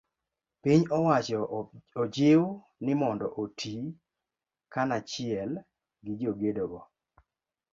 Piny owacho ojiw ni mondo oti kanachiel gi jogedo go.